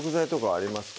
あります